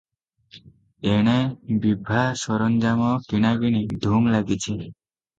ଏଣେ ବିଭା ସରଞ୍ଜାମ କିଣାକିଣି ଧୁମ୍ ଲାଗିଛି ।